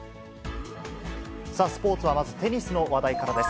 スポーツはまずテニスの話題からです。